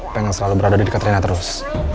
pengen selalu berada dekat reina terus